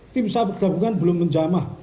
tim sar gabungan belum menjamah